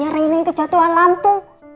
yang kejatuhan lampu